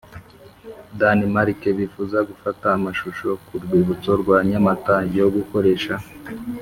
Denmark bifuza gufata amashusho ku rwibutso rwa Nyamata yo gukoresha